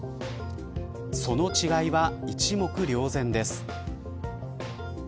その違いは一目瞭然です。